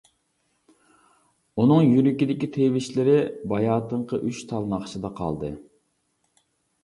ئۇنىڭ يۈرىكىدىكى تىۋىشلىرى باياتىنقى ئۈچ تال ناخشىدا قالدى.